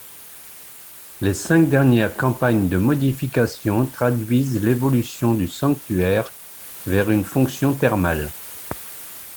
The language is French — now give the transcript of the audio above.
Les cinq dernières campagnes de modifications traduisent l'évolution du sanctuaire vers une fonction thermale.